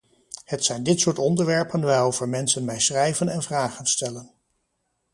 Het zijn dit soort onderwerpen waarover mensen mij schrijven en vragen stellen.